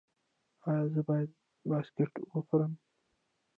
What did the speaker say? ایا زه باید بسکټ وخورم؟